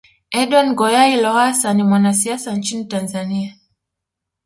Edward Ngoyayi Lowassa ni mwanasiasa nchini Tanzania